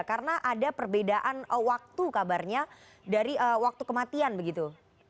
karena ada perbedaan waktu kabarnya dari waktu kematian begitu